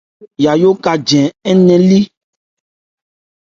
Yayó ka gɛ nnɛn li.